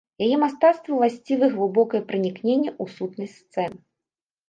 Яе мастацтву ўласцівы глыбокае пранікненне ў сутнасць сцэн.